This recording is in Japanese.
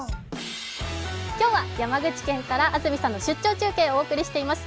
今日は山口県から安住さんの出張中継をお送りしています。